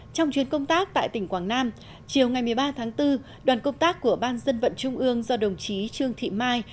trong chuyến công tác tại tỉnh quảng nam chiều ngày một mươi ba tháng bốn đoàn công tác của ban dân vận trung ương do đồng chí trương thị mai